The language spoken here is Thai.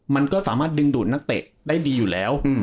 มันก็สามารถดึงดูดนักเตะได้ดีอยู่แล้ว